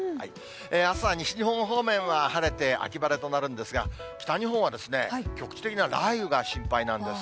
あすは西日本方面は晴れて秋晴れとなるんですが、北日本は局地的な雷雨が心配なんです。